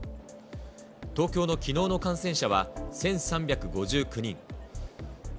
東京のきのうの感染者は１３５９人。